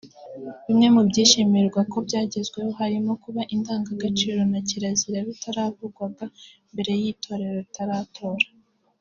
Bimwe mu byishimirwa ko byagezeho harimo kuba indangagaciro na kirazira bitaravugwaga mbere itorero ritaraza